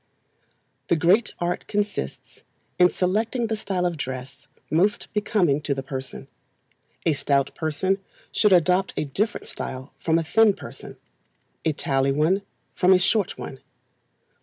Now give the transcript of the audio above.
The great art consists in selecting the style of dress most becoming to the person. A stout person should adopt a different style from a thin person; a taLl one from a short one.